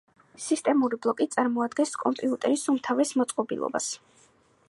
სისტემური ბლოკი წარმოადგენს კომპიუტერის უმთავრეს მოწყობილობას.